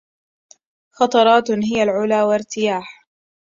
خطرات هي العلا وارتياح